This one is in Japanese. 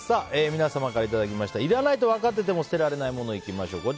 皆様からいただいたいらないと分かっていても捨てられない物いきましょう。